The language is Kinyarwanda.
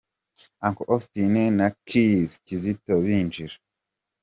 Uncle Austin na Khiz kizito binjira.